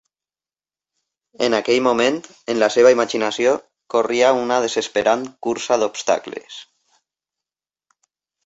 En aquell moment, en la seva imaginació, corria una desesperant cursa d'obstacles.